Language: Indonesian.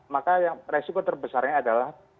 maka yang resiko terbesarnya adalah